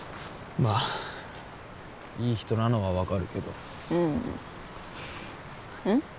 まあいい人なのはわかるけどうんうん？